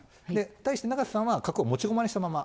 対して永瀬さんは角を持ち駒にしたまま。